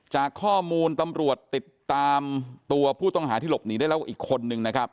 จากข้อมูลตำรวจติดตามตัวผู้ต้องหาที่หลบหนีได้แล้วอีกคนนึงนะครับ